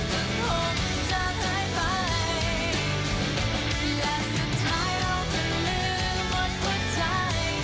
และสุดท้ายเราจะลืมหมดหัวใจ